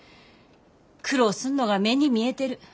苦労すんのが目に見えてる。